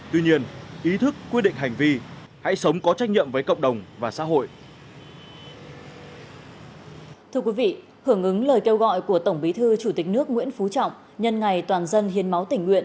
tuy nhiên ý thức quy định hành vi hãy sống có trách nhận với cộng đồng và xã hội